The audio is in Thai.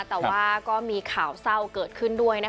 แต่ว่าก็มีข่าวเศร้าเกิดขึ้นด้วยนะคะ